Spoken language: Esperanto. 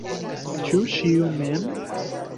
Ĉu ĉiu mem?